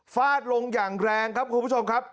ฟาดลงอย่างแรงครับคุณผู้ชมครับ